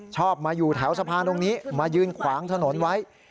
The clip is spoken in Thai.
ชอบมาอยู่แถวสะพานตรงนี้มายืนขวางถนนไว้